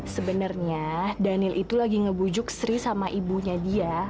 sebenernya dany itu lagi ngebujuk sri sama ibunya dia